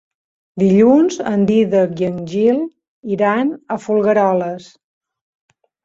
Dilluns en Dídac i en Gil iran a Folgueroles.